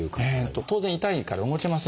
当然痛いから動けませんよね。